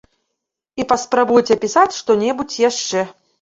І паспрабуюць апісаць што-небудзь яшчэ.